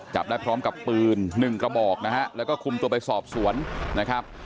จับได้พร้อมกับปืนหนึ่งกระบอกนะฮะแล้วก็คุมตัวไปสอบสวนนะครับ